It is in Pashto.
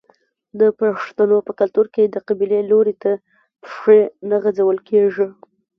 د پښتنو په کلتور کې د قبلې لوري ته پښې نه غځول کیږي.